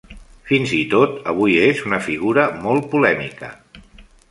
Fins i tot avui és una figura molt polèmica.